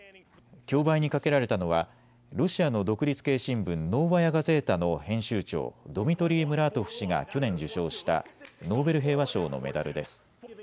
競売にかけられたのはロシアの独立系新聞、ノーバヤ・ガゼータの編集長、ドミトリー・ムラートフ氏が去年、受賞したノーベル平和賞のメダルです。